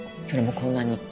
それもこんなに。